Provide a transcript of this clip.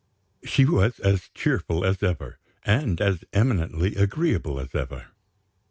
She was as cheerful as ever, and as eminently agreeable as ever.